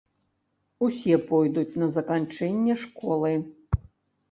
Усе пойдуць на заканчэнне школы.